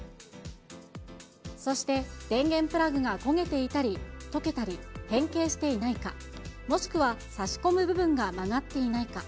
そして、電源プラグが焦げていたり、溶けたり、変形していないか、もしくは差し込む部分が曲がっていないか。